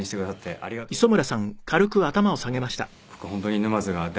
ありがとうございます。